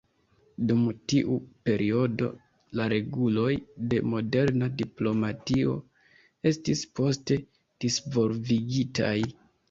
Dum tiu periodo la reguloj de moderna diplomatio estis poste disvolvigitaj.